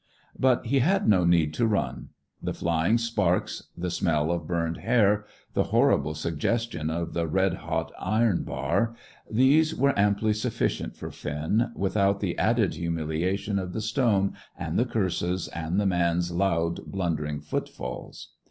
But he had no need to run. The flying sparks, the smell of burned hair, the horrible suggestion of the red hot iron bar these were amply sufficient for Finn, without the added humiliation of the stone, and the curses, and the man's loud, blundering footfalls.